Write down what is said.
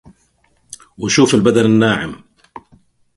وشفوف البدن الناعم